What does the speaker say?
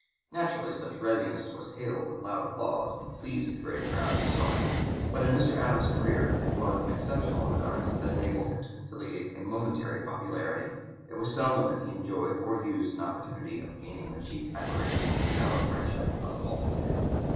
Naturally such readiness was hailed with loud applause and pleased the great crowd who saw it. But in Mr. Adams's career it was an exceptional occurrence that enabled him to conciliate a momentary popularity; it was seldom that he enjoyed or used an opportunity of gaining the cheap admiration or shallow friendship of the multitude.